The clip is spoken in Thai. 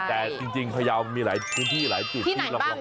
แต่จริงพายาวมีหลายที่หลายจุดที่เราไปกัน